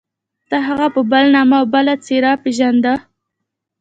تا هغه په بل نامه او بله څېره پېژانده.